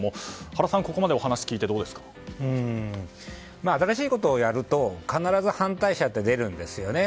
原さん、ここまで新しいことをやると必ず反対者って出るんですよね。